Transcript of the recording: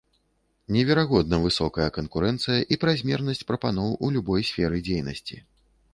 Неверагодна высокая канкурэнцыя і празмернасць прапаноў у любой сферы дзейнасці.